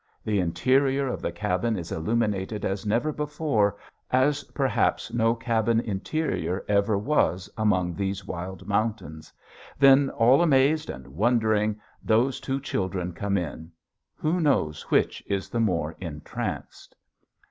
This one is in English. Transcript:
The interior of the cabin is illuminated as never before, as perhaps no cabin interior ever was among these wild mountains. Then all amazed and wondering those two children come in. Who knows which is the more entranced?